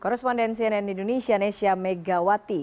korrespondensi cnn indonesia nesya megawati